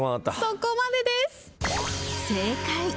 そこまでです。